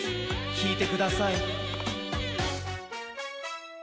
きいてください。